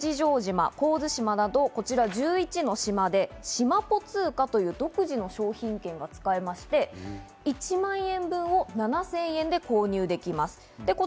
離島の旅もおすすめです大島、八丈島、神津島など１１の島でしまぽ通貨という独自の商品券が使えまして、１万円分を７０００円で購入できます。